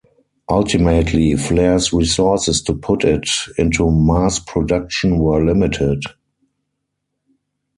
Ultimately, Flare's resources to put it into mass production were limited.